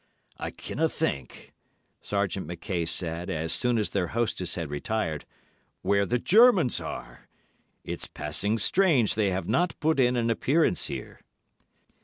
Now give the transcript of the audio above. "I kinna think," Sergeant Mackay said, as soon as their hostess had retired, "where the Germans are. It's passing strange they have not put in an appearance here."